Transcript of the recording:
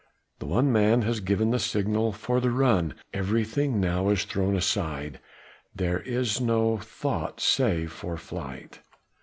The one man has given the signal for the run. Everything now is thrown aside, there is no thought save for flight.